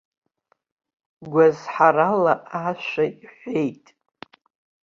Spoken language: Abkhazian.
Гәазҳарала ашәа иҳәеит.